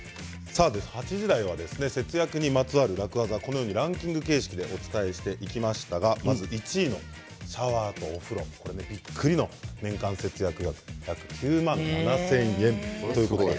８時台は節約にまつわる楽ワザ、ランキング形式でお伝えしてまいりましたが１位のシャワーとお風呂びっくりの年間節約額約９万７０００円ということです。